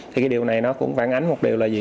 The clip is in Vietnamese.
thì cái điều này nó cũng phản ánh một điều là gì